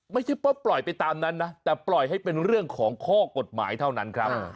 ไม่ใช่ว่าปล่อยไปตามนั้นนะแต่ปล่อยให้เป็นเรื่องของข้อกฎหมายเท่านั้นครับ